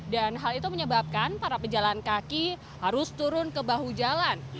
dan hal itu menyebabkan para pejalan kaki harus turun ke bahu jalan